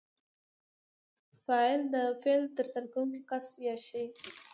فاعل د فعل ترسره کوونکی کس یا شی دئ.